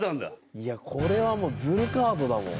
いやこれはもうズルカードだもん。